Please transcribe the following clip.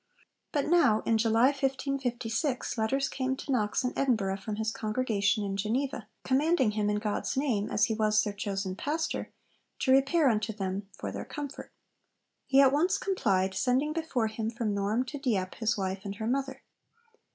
But now, in July 1556, letters came to Knox in Edinburgh from his congregation in Geneva, 'commanding him in God's name, as he was their chosen pastor, to repair unto them for their comfort.' He at once complied, sending before him from Norham to Dieppe his wife and her mother.